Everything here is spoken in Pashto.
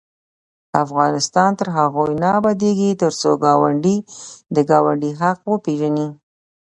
افغانستان تر هغو نه ابادیږي، ترڅو ګاونډي د ګاونډي حق وپيژني.